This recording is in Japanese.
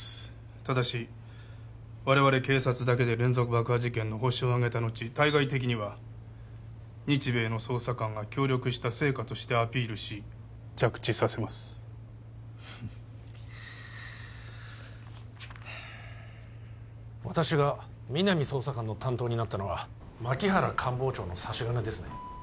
ただし我々警察だけで連続爆破事件のホシをあげた後対外的には日米の捜査官が協力した成果としてアピールし着地させますフフッ私が皆実捜査官の担当になったのは槇原官房長の差し金ですね？